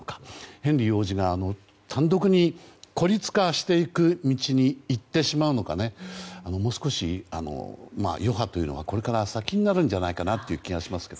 ヘンリー王子が単独に孤立化していく道に行ってしまうのかもう少し、余波というのはこれから先になるのではという気がしますね。